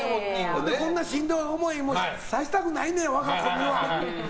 ほんでしんどい思いもさせたくないねん、我が子には。